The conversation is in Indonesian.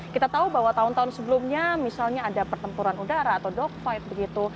kita tahu bahwa tahun tahun sebelumnya misalnya ada pertempuran udara atau dogfight begitu